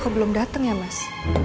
kau belum dateng ya mas